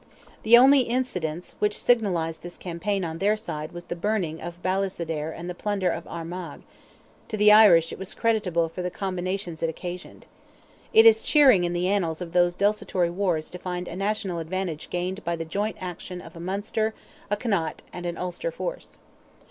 The only incidents which signalized this campaign on their side was the burning of Ballysadare and the plunder of Armagh; to the Irish it was creditable for the combinations it occasioned. It is cheering in the annals of those desultory wars to find a national advantage gained by the joint action of a Munster, a Connaught, and an Ulster force.